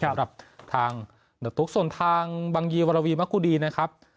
สำหรับทางเดอร์ตุ๊กส่วนทางบังยีวรวีมะกุดีนะครับ